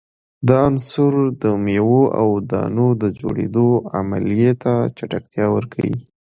دا عنصر د میو او دانو د جوړیدو عملیې ته چټکتیا ورکوي.